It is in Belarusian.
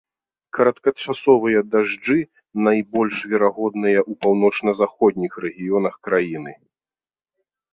Кароткачасовыя дажджы найбольш верагодныя ў паўночна-заходніх рэгіёнах краіны.